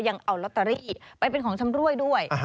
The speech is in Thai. ยังเอาลอตเตอรี่ไปเป็นของชำรวยด้วย